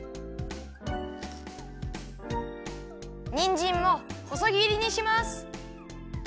にんじんもほそぎりにします。